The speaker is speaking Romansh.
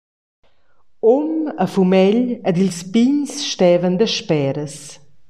Um e fumegl ed ils pigns stevan dasperas.